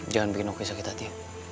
jangan bikin aku sakit hati